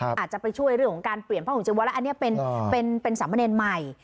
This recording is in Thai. อาจจะไปช่วยเรื่องของการเปลี่ยนห่มหุ่มจีวร์แล้วอันนี้เป็นสามเมอร์เนนใหม่